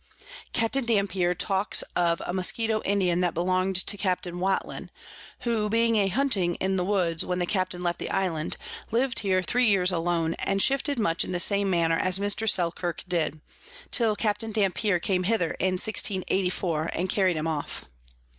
Capt. Dampier talks of a Moskito Indian that belong'd to Capt. Watlin, who being a hunting in the Woods when the Captain left the Island, liv'd here three years alone, and shifted much in the same manner as Mr. Selkirk did, till Capt. Dampier came hither in 1684, and carry'd him off.